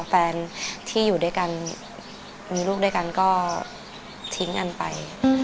แฟนที่อยู่ด้วยกันมีลูกด้วยกันก็ทิ้งอันไป